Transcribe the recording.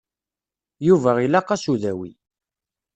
Yuba ilaq-as udawi.